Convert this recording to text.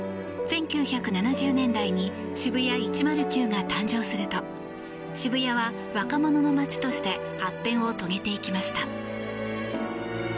１９７０年代に渋谷１０９が誕生すると渋谷は若者の街として発展を遂げていきました。